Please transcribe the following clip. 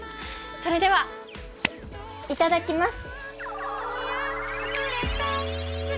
それではいただきます。